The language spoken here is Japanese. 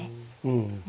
うん。